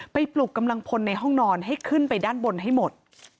ปลุกกำลังพลในห้องนอนให้ขึ้นไปด้านบนให้หมด